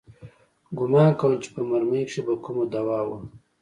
ګومان کوم چې په مرمۍ کښې به کومه دوا وه.